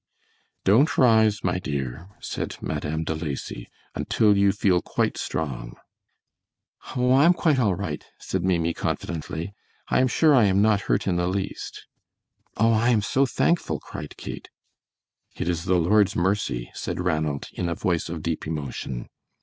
"Don't rise, my dear," said Madame De Lacy, "until you feel quite strong." "Oh, I am quite right," said Maimie, confidently; "I am sure I am not hurt in the least." "Oh, I am so thankful!" cried Kate. "It is the Lord's mercy," said Ranald, in a voice of deep emotion.